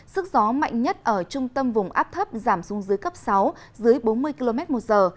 sức gió mạnh nhất ở trung tâm vùng áp thấp giảm xuống dưới cấp sáu dưới bốn mươi km một giờ